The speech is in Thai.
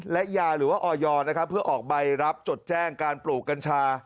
และยาหรือว่าออยนะครับเพื่อออกใบรับจดแจ้งการปลูกกัญชา